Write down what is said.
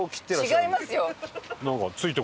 違いますよ！